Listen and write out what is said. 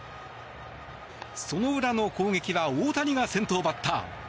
その裏の攻撃は大谷が先頭バッター。